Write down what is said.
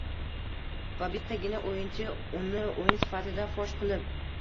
va bittagina o‘yinchi uni o‘yin sifatida fosh qilib